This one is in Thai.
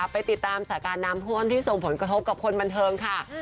ไปติดตามสถานการณ์น้ำท่วมที่ส่งผลกระทบกับคนบันเทิงค่ะ